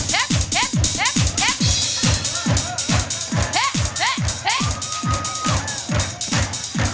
เฮ็บเฮ็บเฮ็บ